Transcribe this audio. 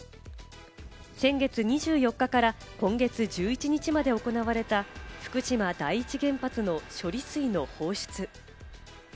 先月２４日から今月１１日まで行われた福島第一原発の処理水の放出。